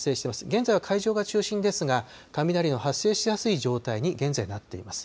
現在は海上が中心ですが、雷の発生しやすい状態に現在なっています。